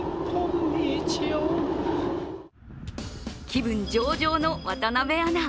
気分上々の渡部アナ。